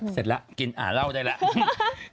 เสร็จแล้วกินอ่าเหล้าได้แล้ว